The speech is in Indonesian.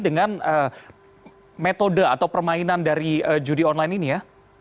dengan metode atau permainan dari judi online ini ya